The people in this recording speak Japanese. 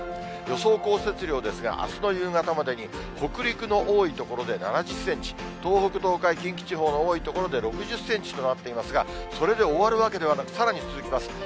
予想降雪量ですが、あすの夕方までに、北陸の多い所で７０センチ、東北、東海、近畿地方の多い所で６０センチとなっていますが、それで終わるわけではなく、さらに続きます。